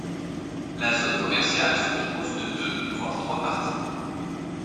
La zone commerciale se compose de deux, voire trois parties.